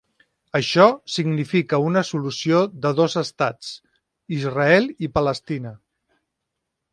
Això significa una solució de dos estats: Israel i Palestina.